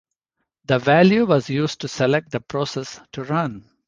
The value was used to select the process to run.